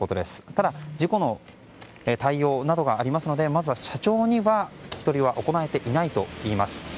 ただ、事故の対応などがありますので社長には聞き取りは行っていないといいます。